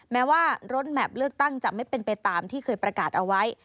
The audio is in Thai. แม้ว่ารถแมพเลือกตั้งจะไม่เป็นไปตามที่เคยประกาศเอาไว้